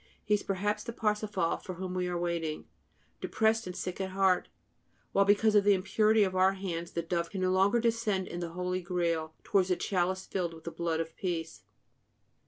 He is perhaps the Parsifal for whom we are waiting, depressed and sick at heart, while because of the impurity of our hands the dove can no longer descend in the Holy Grail towards the chalice filled with the blood of Peace.